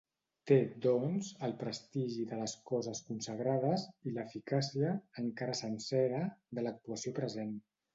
Té, doncs, el prestigi de les coses consagrades, i l'eficàcia, encara sencera, de l'actuació present.